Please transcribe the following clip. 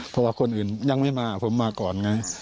เพราะว่าคนอื่นยังไม่มาผมมาก่อนไง